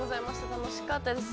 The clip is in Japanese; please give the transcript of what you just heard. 楽しかったです。